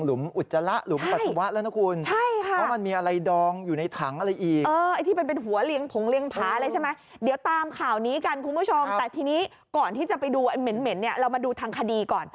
หลุมอุจจาระหลุมปัสสาวะแล้วนะคุณ